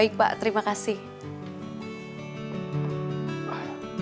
iya tante makasih ya